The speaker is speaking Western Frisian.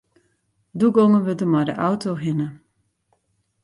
Doe gongen we der mei de auto hinne.